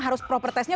harus proper testnya